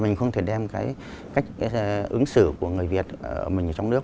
mình không thể đem cái cách ứng xử của người việt mình ở trong nước